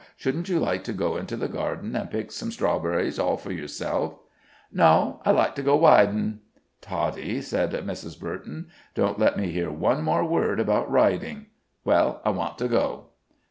Shouldn't you like to go into the garden and pick some strawberries all for yourself?" "No; I'd like to go widin'." "Toddie," said Mrs. Burton, "don't let me hear one more word about riding." "Well, I want to go."